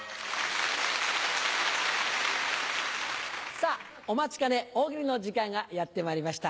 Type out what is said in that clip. さぁお待ちかね大喜利の時間がやってまいりました。